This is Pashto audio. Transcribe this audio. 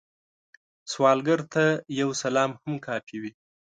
سوالګر ته یو سلام هم کافی وي